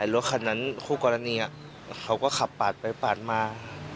รถคันนั้นคู่กรณีเขาก็ขับปาดไปปาดมา